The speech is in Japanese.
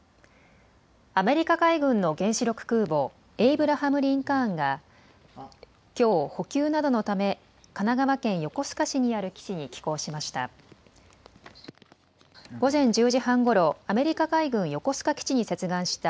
アメリカ海軍の原子力空母エイブラハム・リンカーンがきょう補給などのため神奈川県横須賀市にある基地に寄港しました。